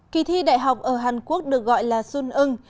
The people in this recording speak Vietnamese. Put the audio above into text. kỳ thi đại học ở hàn quốc được gọi là xuân ưng